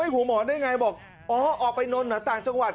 อาจะมาทางจังหวัด